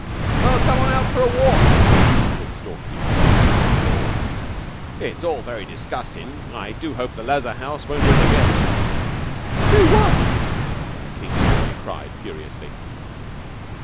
"Well, come on out for a walk," said Stalky in a well chosen pause. "It's all very disgustin', and I do hope the Lazar house won't do it again." "Do what?" a King's boy cried furiously.